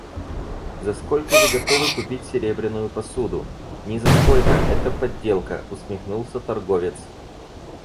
«За сколько вы готовы купить серебряную посуду?» — «Ни за сколько, это подделка», усмехнулся торговец.